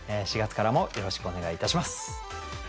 ４月からもよろしくお願いいたします。